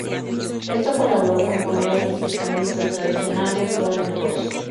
Esto colaboró con poner a los prestamistas tradicionales fuera de negocio.